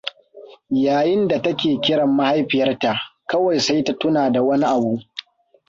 Yayin da take kiran mahaifiyarta, kawai sai ta tuna da wani abu.